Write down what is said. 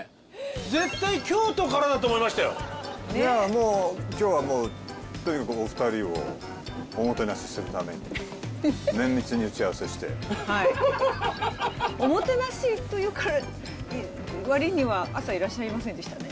もう今日はもうとにかくお二人をおもてなしするために綿密に打ち合わせしておもてなしというからわりには朝いらっしゃいませんでしたね